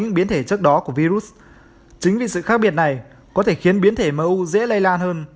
những biến thể trước đó của virus chính vì sự khác biệt này có thể khiến biến thể mu dễ lây lan hơn